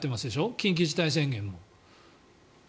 緊急事態宣言も。